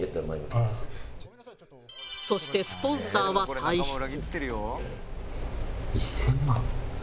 そしてスポンサーは退室。